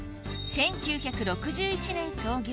１９６１年創業